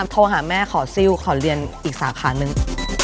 โทรหาแม่ขอซิลขอเรียนอีกสาขานึง